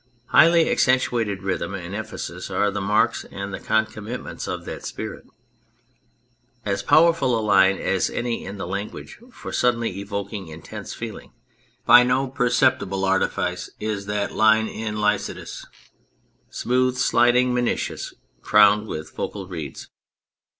Highly accentuated rhythm and emphasis are the marks and the concomitants of that spirit. As powerful a line as any in the lan guage for suddenly evoking intense feeling by no perceptible artifice is that line in Lycidas Smooth sliding Mincius, crowned with vocal reeds.